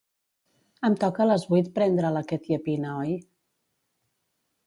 Em toca a les vuit prendre la quetiapina, oi?